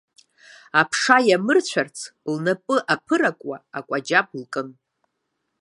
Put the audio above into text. Аԥша иамырцәарц, лнапы аԥыракуа, акәаҷаб лкын.